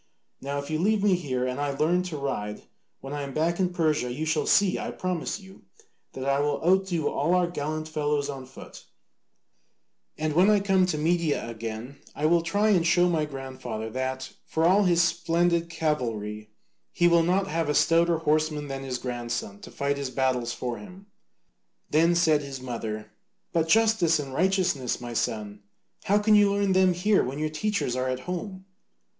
Now if you leave me here and I learn to ride, when I am back in Persia you shall see, I promise you, that I will outdo all our gallant fellows on foot, and when I come to Media again I will try and show my grandfather that, for all his splendid cavalry, he will not have a stouter horseman than his grandson to fight his battles for him." Then said his mother, "But justice and righteousness, my son, how can you learn them here when your teachers are at home?"